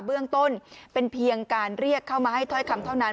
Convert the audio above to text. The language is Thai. เบื้องต้นเป็นเพียงการเรียกเข้ามาให้ถ้อยคำเท่านั้น